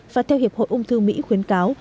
và theo hiệp hội ung thư mỹ khuyến cáo